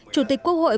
chủ tịch quốc hội